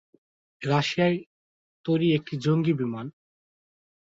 রাশিয়ার তৈরি একটি জঙ্গি বিমান।